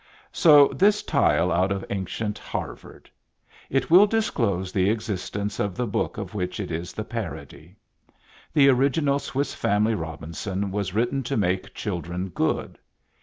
So this tile out of Ancient Harvard. It will disclose the existence of the book of which it is the parody. The original Swiss Family Robinson was written to make children good.